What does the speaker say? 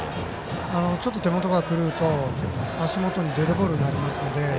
ちょっと手元が狂うと足元にデッドボールになるので。